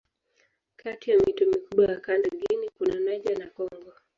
Kati ya mito mikubwa ya kanda Guinea kuna Niger na Kongo.